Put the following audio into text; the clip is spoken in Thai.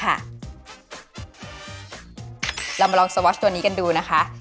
เรามาลองสวอชตัวนี้กันดูนะคะ